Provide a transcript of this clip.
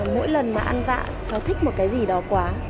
mỗi lần mà ăn vạ cháu thích một cái gì đó quá